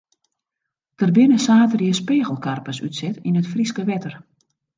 Der binne saterdei spegelkarpers útset yn it Fryske wetter.